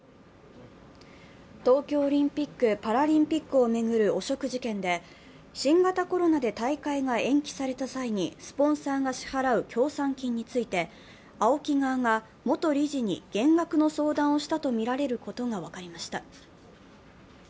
東京オリンピック・パラリンピックを巡る汚職事件で新型コロナで大会が延期された際にスポンサーが支払う協賛金について、ＡＯＫＩ側が元理事に減額の相談をしたとみられることが分かりました。